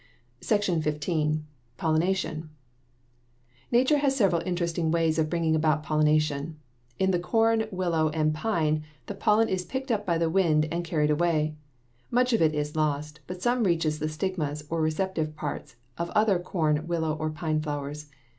SECTION XV. POLLINATION Nature has several interesting ways of bringing about pollination. In the corn, willow, and pine the pollen is picked up by the wind and carried away. Much of it is lost, but some reaches the stigmas, or receptive parts, of other corn, willow, or pine flowers.